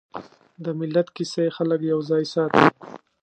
د ملت کیسې خلک یوځای ساتي.